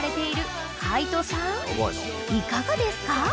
いかがですか？］